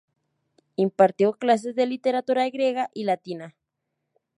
Impartió clases de literatura griega y latina.